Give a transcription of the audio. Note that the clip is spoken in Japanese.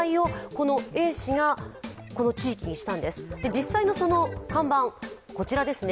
実際の看板、こちらですね。